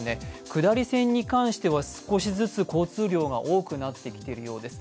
下り線に関しては少しずつ交通量が多くなってきているようです。